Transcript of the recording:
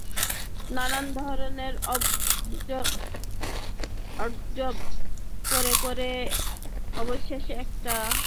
নানান ধরনের অড-জব করে করে অবশেষে একটা ফ্যাক্টরির মেশিন অপারেটরের কাজ জুটাল।